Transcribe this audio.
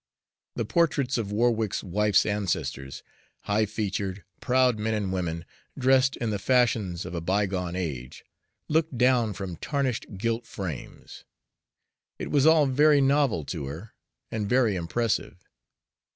The portraits of Warwick's wife's ancestors high featured, proud men and women, dressed in the fashions of a bygone age looked down from tarnished gilt frames. It was all very novel to her, and very impressive.